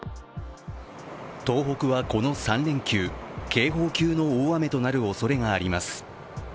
東北は、この３連休警報級の大雨となるおそれがあります。